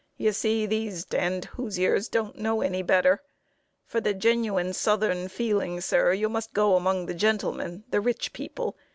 You see, these d d Hoosiers don't know any better. For the genuine southern feeling, sir, you must go among the gentlemen the rich people.